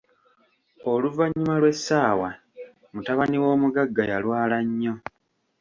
Oluvanyuma Iw'esaawa, mutabani w'omuggaga yalwala nnyo!